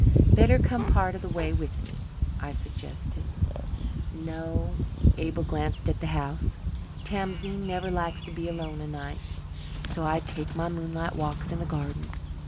"Better come part of the way with me," I suggested. "No." Abel glanced at the house. "Tamzine never likes to be alone o' nights. So I take my moonlight walks in the garden.